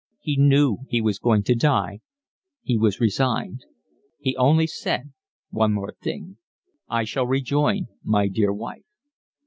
He knew he was going to die: he was resigned. He only said one thing more: "I shall rejoin my dear wife."